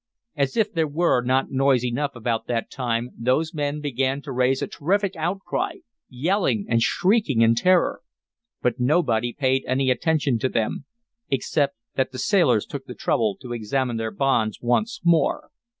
As if there were not noise enough about that time those men began to raise a terrific outcry, yelling and shrieking in terror. But nobody paid any attention to them except that the sailors took the trouble to examine their bonds once more.